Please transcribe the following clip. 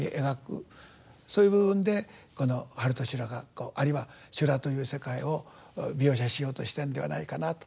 そういう部分でこの「春と修羅」があるいは修羅という世界を描写しようとしてんではないかなと。